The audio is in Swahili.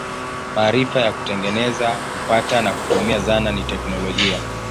Maarifa ya kutengeneza, kupata na kutumia zana ni teknolojia.